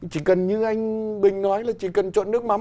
chỉ cần như anh bình nói là chỉ cần chọn nước mắm